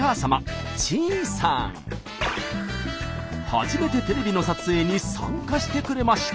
初めてテレビの撮影に参加してくれました。